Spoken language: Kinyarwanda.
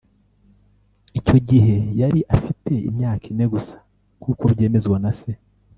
Icyo gihe yari afite imyaka ine gusa nk’uko byemezwa na se